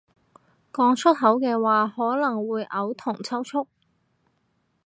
講出口嘅話可能會嘔同抽搐